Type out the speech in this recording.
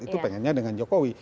itu pengennya dengan jokowi